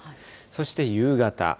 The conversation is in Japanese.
そして夕方。